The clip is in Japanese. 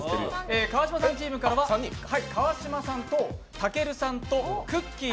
川島さんチームからは川島さんとたけるさんとくっきー！